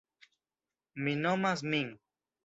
Mi nomas min.